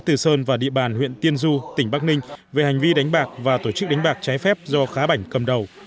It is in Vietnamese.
từ sơn và địa bàn huyện tiên du tỉnh bắc ninh về hành vi đánh bạc và tổ chức đánh bạc trái phép do khá bảnh cầm đầu